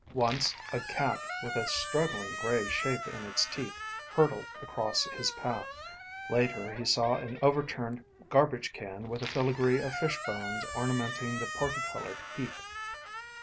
Once a cat with a struggling gray shape in its teeth hurtled across his path. Later he saw an overturned garbage can with a filigree of fish bones ornamenting the parti colored heap.